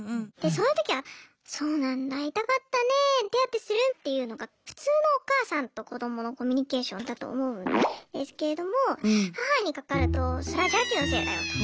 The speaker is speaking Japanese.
そういうときは「そうなんだ痛かったね手当てする？」っていうのが普通のお母さんと子どものコミュニケーションだと思うんですけれども母にかかるとそれは邪気のせいだよと。